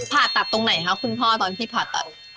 ผ่าตัดตรงไหนคะคุณพ่อตอนที่ผ่าตัด